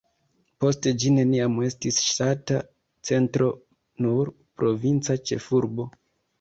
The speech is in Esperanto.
Poste ĝi neniam estis ŝtata centro, nur provinca ĉefurbo.